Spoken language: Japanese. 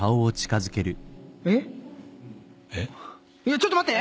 ちょっと待って。